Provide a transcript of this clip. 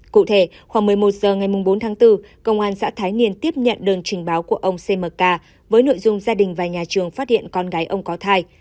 cụ thể khoảng một mươi một h ngày bốn tháng bốn công an xã thái niên tiếp nhận đơn trình báo của ông cmk với nội dung gia đình và nhà trường phát hiện con gái ông có thai